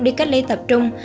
đi cách ly tập trung